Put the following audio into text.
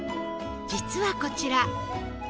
実はこちら